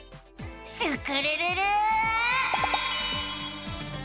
スクるるる！